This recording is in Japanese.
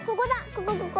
ここここ。